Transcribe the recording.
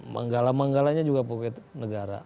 manggalan manggalannya juga ppt negara